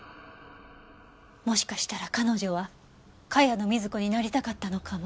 もしかしたら彼女は茅野瑞子になりたかったのかも。